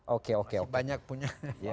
oke oke banyak punya